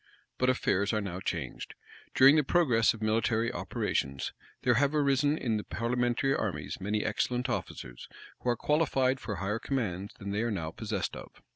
But affairs are now changed. During the progress of military operations, there have arisen in the parliamentary armies many excellent officers, who are qualified for higher commands than they are now possessed of.